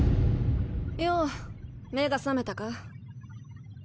よお目が覚めたか？